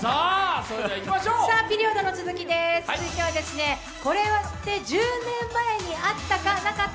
ピリオドの続きです、続きは「これって１０年前にあった？なかった？」